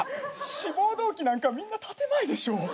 志望動機なんかみんな建前でしょ。